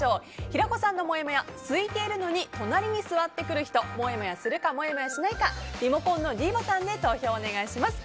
平子さんのもやもや空いているのに隣に座ってくる人もやもやするかしないかリモコンのｄボタンで投票お願いします。